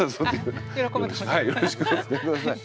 はい。